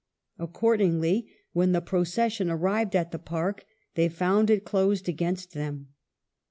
Accordingly, when the proces sion arrived at the Park they found it closed against them.